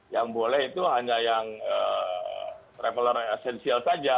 yang boleh itu hanya yang traveler esensial saja